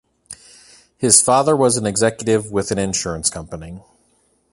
His father was an executive with an insurance company.